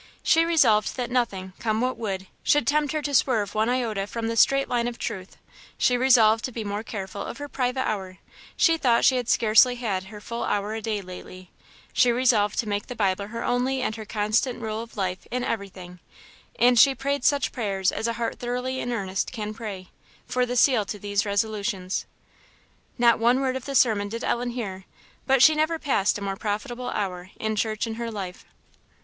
She resolved that nothing, come what would, should tempt her to swerve one iota from the straight line of truth; she resolved to be more careful of her private hour; she thought she had scarcely had her full hour a day lately; she resolved to make the Bible her only and her constant rule of life in everything: and she prayed such prayers as a heart thoroughly in earnest can pray, for the seal to these resolutions. Not one word of the sermon did Ellen hear; but she never passed a more profitable hour in church in her life.